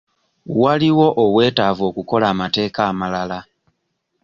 Waliwo obwetaavu okukola amateeka amalala?